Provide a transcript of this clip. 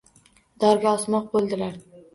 Dorga osmoq bo’ldilar.